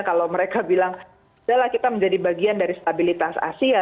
kalau mereka bilang sudah lah kita menjadi bagian dari stabilitas asia